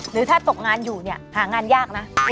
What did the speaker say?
หรือถ้าตกงานอยู่เนี่ยหางานยากนะ